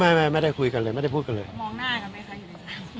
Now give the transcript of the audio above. ไม่ไม่ไม่ไม่ได้คุยกันเลยไม่ได้พูดกันเลยมองหน้ากันไหมคะอยู่ในซ้ำ